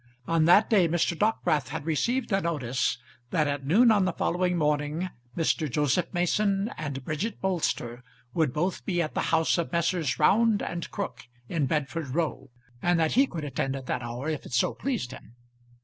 On that day Mr. Dockwrath had received a notice that at noon on the following morning Mr. Joseph Mason and Bridget Bolster would both be at the house of Messrs. Round and Crook in Bedford Row, and that he could attend at that hour if it so pleased him.